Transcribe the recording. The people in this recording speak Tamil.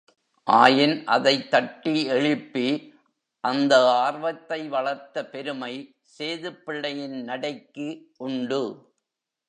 ஆயின் அதனைத் தட்டி எழுப்பி அந்த ஆர்வத்தை வளர்த்த பெருமை சேதுப்பிள்ளையின் நடைக்கு உண்டு.